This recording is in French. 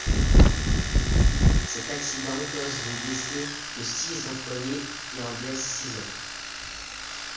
Cet accident cause le décès de six employés et en blesse six autres.